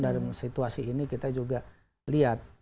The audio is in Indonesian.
dalam situasi ini kita juga lihat